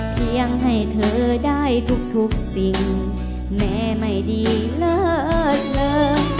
เพียงให้เธอได้ทุกสิ่งแม่ไม่ดีเลิกเลย